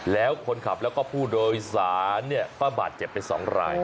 แล้วคนขับแล้วก็ผู้โดยสารก็บาดเจ็บไป๒ราย